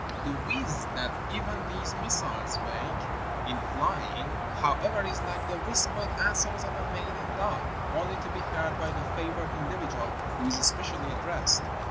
The whizz that even these missiles make in flying, however, is like the whispered answers of a maid in love, only to be heard by the favored individual who is especially addressed.